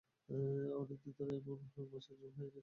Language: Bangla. অনেকদিন এমন মাছের ঝোল খাই নাই।